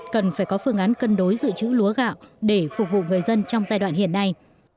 cần phải có phương án cân đối dự trữ lúa gạo để phục vụ người dân trong giai đoạn hiện nay